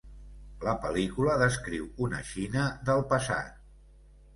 La pel·lícula descriu una Xina del passat.